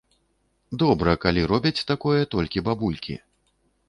Добра, калі робяць такое толькі бабулькі.